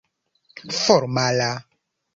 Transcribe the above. formala